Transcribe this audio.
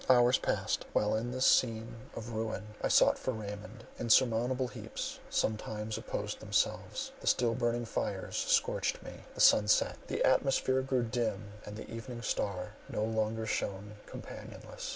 Hours passed, while in this scene of ruin I sought for Raymond. Insurmountable heaps sometimes opposed themselves; the still burning fires scorched me. The sun set; the atmosphere grew dim—and the evening star no longer shone companionless.